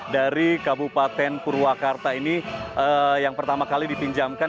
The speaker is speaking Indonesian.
dari kabupaten purwakarta ini yang pertama kali dipinjamkan